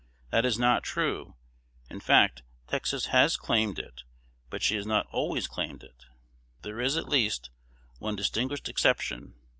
That is not true, in fact. Texas has claimed it, but she has not always claimed it. There is, at least, one distinguished exception.